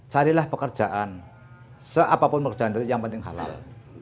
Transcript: carilah pekerjaan seapapun pekerjaan yang penting halal